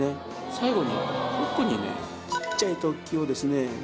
最後に奥にねちっちゃい突起をですね